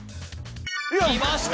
きました